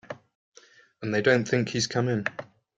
And they don't think he's come in.